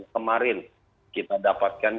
kemarin kita dapatkan